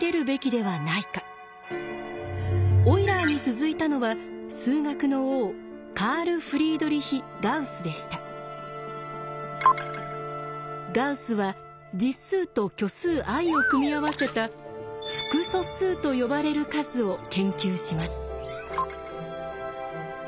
オイラーに続いたのは数学の王ガウスは実数と虚数ｉを組み合わせた複素数と呼ばれる数を研究します。